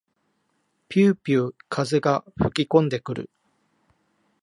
ぴゅうぴゅう風が吹きこんでくる。